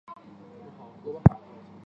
青岛教会的聚会人数锐减。